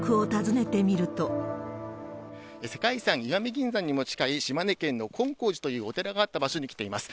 世界遺産、石見銀山にも近い島根県の金皇寺というお寺があった場所に来ています。